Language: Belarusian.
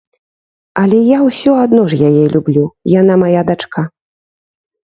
Але я ўсё адно ж яе люблю, яна мая дачка.